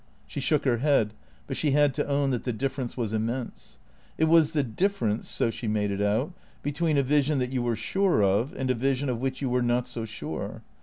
She shook her head; but she had to own that the difference was immense. It was the difference (so she made it out) be tween a vision that you were sure of, and a vision of which you were not so sure.